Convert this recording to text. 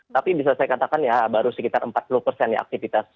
tapi bisa saya katakan ya baru sekitar empat puluh persen ya aktivitas